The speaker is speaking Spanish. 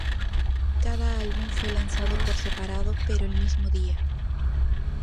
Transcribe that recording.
Cada álbum fue lanzado por separado pero el mismo día.